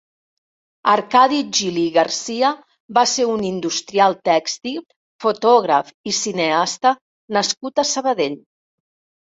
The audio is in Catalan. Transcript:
Arcadi Gili i Garcia va ser un industrial tèxtil, fotògraf i cineasta nascut a Sabadell.